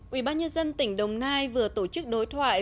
ubnd tỉnh đồng nai vừa tổ chức đối thoại